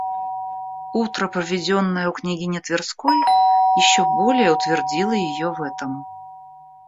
Утро, проведенное у княгини Тверской, еще более утвердило ее в этом.